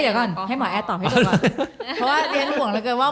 เดี๋ยวก่อนให้หมอแอร์ตอบให้ดูก่อนเพราะว่าเรียนห่วงเหลือเกินว่า